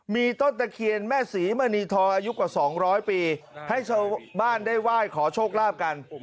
มีต้นตะเคียนแม่ศรีมณีทองอายุกว่า๒๐๐ปีให้ชาวบ้านได้ไหว้ขอโชคลาภกัน